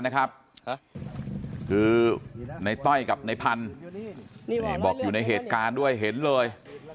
คือในต้อยกับในพันธุ์บอกอยู่ในเหตุการณ์ด้วยเห็นเลย